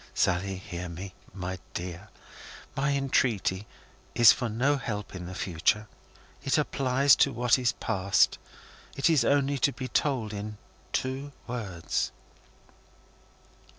"Sally! Hear me, my dear. My entreaty is for no help in the future. It applies to what is past. It is only to be told in two words."